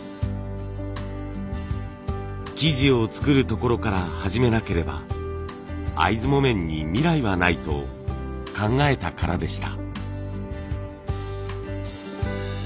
生地を作るところから始めなければ会津木綿に未来はないと考えたからでした。